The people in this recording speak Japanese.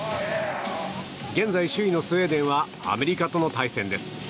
現在首位のスウェーデンはアメリカとの対戦です。